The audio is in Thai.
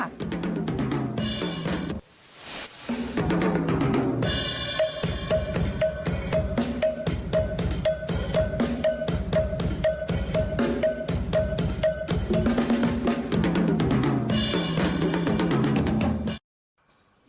เย้